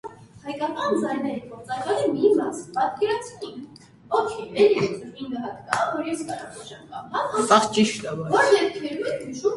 Դորսին մասամբ իտալական ծագում ունի։